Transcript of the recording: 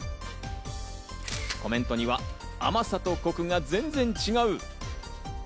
コメントには甘さとコクが全然違う。